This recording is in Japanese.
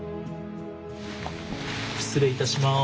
失礼いたします。